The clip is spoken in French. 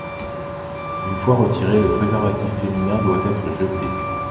Une fois retiré, le préservatif féminin doit être jeté.